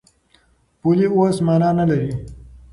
پولې اوس مانا نه لري.